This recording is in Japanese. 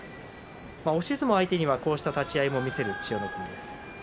押し相撲相手には、こういう立ち合いも見せる千代の国です。